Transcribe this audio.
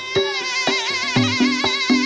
โชว์ที่สุดท้าย